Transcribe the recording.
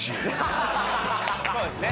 そうですね